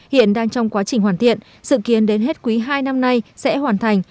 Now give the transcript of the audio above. hiện đang trong quá trình hoàn thiện sự kiến đến hết quý hai năm nay sẽ hoàn thành